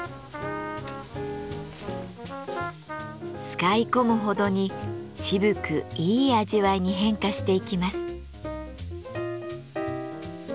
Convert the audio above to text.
使い込むほどに渋くいい味わいに変化していきます。